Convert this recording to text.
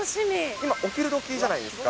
今、お昼どきじゃないですか。